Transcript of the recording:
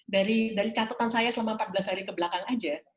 dari catatan saya selama empat belas hari kebelakang aja